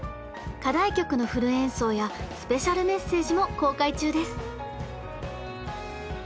課題曲のフル演奏やスペシャルメッセージも公開中です！